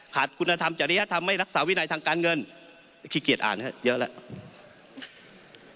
ขาดคุณธรรมจะเลี้ยทำให้รักษาวินัยทางการเงินขี้เกียจอ่านเยอะแล้ว